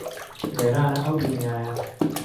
وێرانه ئهو دونیایه